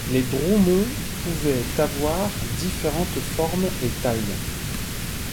Les dromons pouvaient avoir différentes formes et tailles.